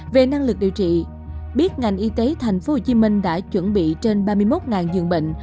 về năng lực điều trị biết ngành y tế tp hcm đã chuẩn bị trên ba mươi một